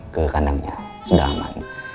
ke kandangnya sudah aman